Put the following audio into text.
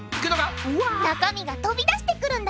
中身が飛び出してくるんだ！